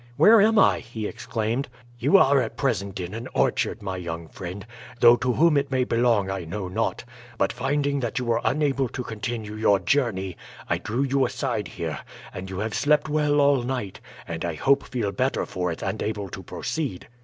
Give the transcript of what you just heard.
"Where am I?" he exclaimed. "You are at present in an orchard, my young friend, though to whom it may belong I know not; but finding that you were unable to continue your journey I drew you aside here, and you have slept well all night, and I hope feel better for it and able to proceed."